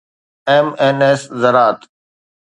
MNS زراعت